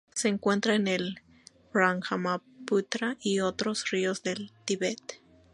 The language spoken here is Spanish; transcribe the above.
Se encuentra en el Brahmaputra y otros ríos del Tíbet.